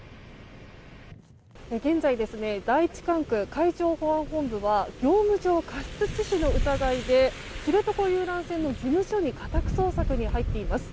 現在第１管区海上保安本部は業務上過失致死の疑いで知床遊覧船の事務所に家宅捜索に入っています。